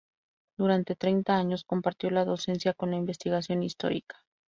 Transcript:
Durante treinta años compartió la docencia con la investigación histórica.